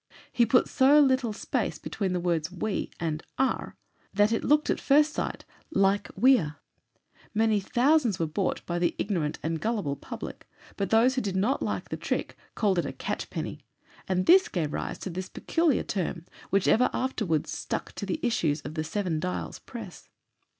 He put so little space between the two words "we" and "are," that it looked at first sight like "WEARE." Many thousands were bought by the ignorant and gullible public, but those who did not like the trick called it a "CATCHPENNY," and this gave rise to this peculiar term, which ever afterwards stuck to the issues of the "Seven Dials Press."